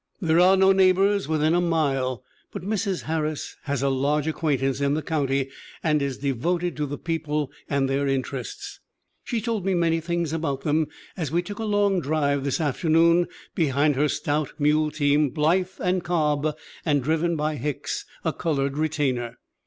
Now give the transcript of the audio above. There are no neighbors within a mile, but Mrs. Har ris has a large acquaintance in the county and is de voted to the people and their interests. She told me many things about them as we took a long drive this afternoon behind her stout mule team Blythe and Cobb and driven by Hicks, a colored retainer.